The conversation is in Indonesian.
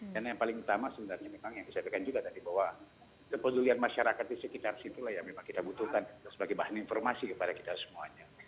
dan yang paling utama sebenarnya memang yang bisa dikatakan juga tadi bahwa kepedulian masyarakat di sekitar situlah yang memang kita butuhkan sebagai bahan informasi kepada kita semuanya